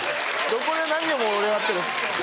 どこで何を盛り上がってる。